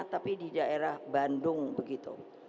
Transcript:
tapi di daerah bandung begitu